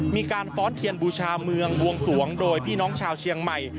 ฟ้อนเทียนบูชาเมืองบวงสวงโดยพี่น้องชาวเชียงใหม่